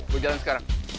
gua jalan sekarang